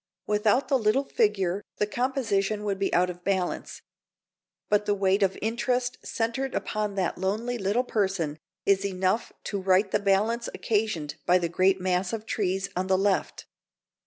Without the little figure the composition would be out of balance. But the weight of interest centred upon that lonely little person is enough to right the balance occasioned by the great mass of trees on the left.